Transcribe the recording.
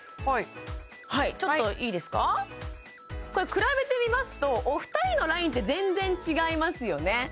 はいはいちょっといいですかこれ比べてみますとお二人のラインって全然違いますよね